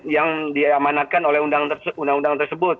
yang diamanatkan oleh undang undang tersebut